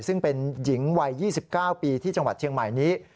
ซึ่งเป็นหญิงวัย๒๙ปีที่จังหวัดเชียงใหม่นี้